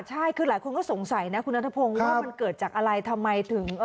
ใช่คือหลายคนก็สงสัยนะคุณนัทพงศ์ว่ามันเกิดจากอะไรทำไมถึง